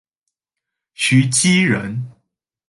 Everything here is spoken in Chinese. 徐积人。